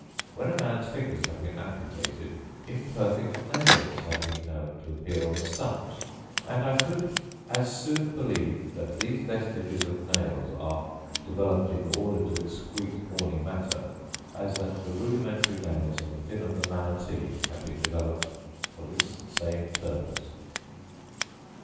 When a man's fingers have been amputated, imperfect nails have been known to appear on the stumps, and I could as soon believe that these vestiges of nails are developed in order to excrete horny matter, as that the rudimentary nails on the fin of the manatee have been developed for this same purpose.